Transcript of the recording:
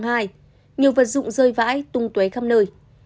nhiều vật dụng rơi vãi tung tué khắp nơi